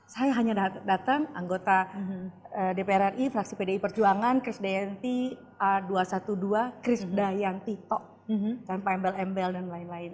saya hanya datang anggota dpr ri fraksi pdi perjuangan kris dayanti a dua ratus dua belas kris dayanti tok tanpa embel embel dan lain lain